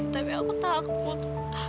tapi aku takut